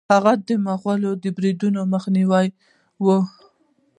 هغه د مغولو د بریدونو مخه ونیوله.